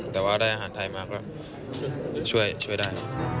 แต่ว่าได้อาหารไทยมาก็ช่วยได้